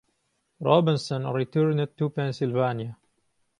Robinson returned to Pennsylvania.